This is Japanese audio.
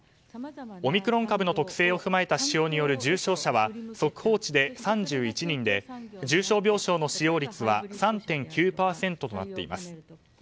オミクロン株の特性を踏まえた指標による重症者は速報値で３１人で重症者病床の使用率は３．９％となっています。